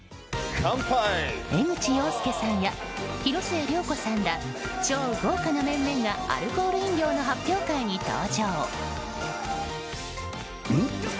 江口洋介さんや広末涼子さんら超豪華な面々がアルコール飲料の発表会に登場。